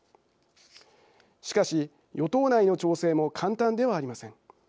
しかし与党内の調整も簡単ではありません。